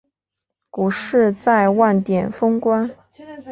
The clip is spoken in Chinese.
股市在万点封关